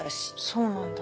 そうなんだ。